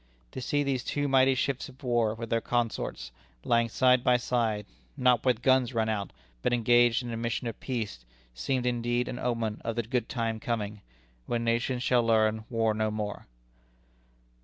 To see these two mighty ships of war, with their consorts, lying side by side, not with guns run out, but engaged in a mission of peace, seemed indeed an omen of the good time coming, when nations shall learn war no more.